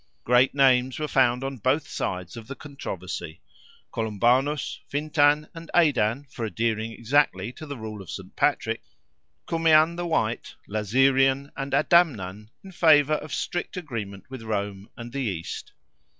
Great names were found on both sides of the controversy: Columbanus, Finian, and Aidan, for adhering exactly to the rule of St. Patrick; Cummian, the White, Laserian and Adamnan, in favour of strict agreement with Rome and the East.